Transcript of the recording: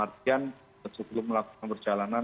artian sebelum melakukan perjalanan